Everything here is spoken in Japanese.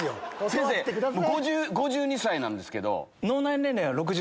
先生５２歳なんですけど。